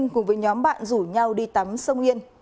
cùng với nhóm bạn rủ nhau đi tắm sông yên